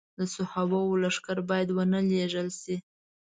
د صحابو لښکر باید ونه لېږل شي.